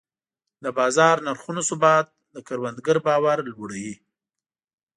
د بازار نرخونو ثبات د کروندګر باور لوړوي.